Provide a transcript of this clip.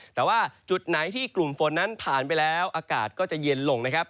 แต่ว่าจุดไหนที่กลุ่มฝนนั้นผ่านไปแล้วอากาศก็จะเย็นลงนะครับ